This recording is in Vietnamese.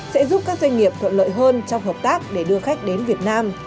sẽ giúp các doanh nghiệp thuận lợi hơn trong hợp tác để đưa khách đến việt nam